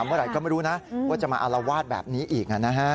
เมื่อไหร่ก็ไม่รู้นะว่าจะมาอารวาสแบบนี้อีก